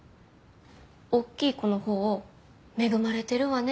おっきい子の方を「恵まれてるわね」